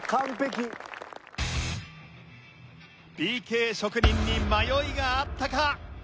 ＰＫ職人に迷いがあったか？